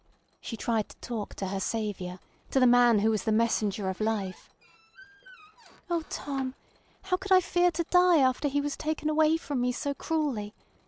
She tried to talk to her saviour, to the man who was the messenger of life. "Oh, Tom! How could I fear to die after he was taken away from me so cruelly!